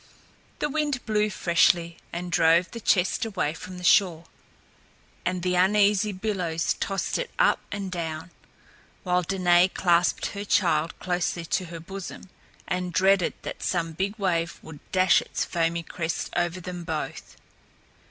The wind blew freshly and drove the chest away from the shore, and the uneasy billows tossed it up and down; while Danaë clasped her child closely to her bosom, and dreaded that some big wave would dash its foamy crest over them both.